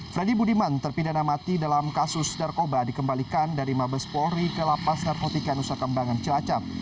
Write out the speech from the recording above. freddy budiman terpidana mati dalam kasus narkoba dikembalikan dari mabes polri ke lapas narkotika nusa kembangan cilacap